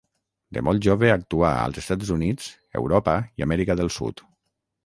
De molt jove actuà, als Estats Units, Europa i Amèrica del Sud.